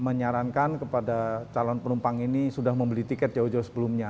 menyarankan kepada calon penumpang ini sudah membeli tiket jauh jauh sebelumnya